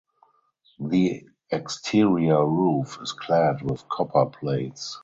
The exterior roof is clad with copper plates.